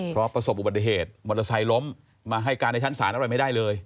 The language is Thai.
เพราะประสบอุบัติเหตุมอเตอร์ไซค์ล้มมาให้การในชั้นศาลอะไรไม่ได้เลย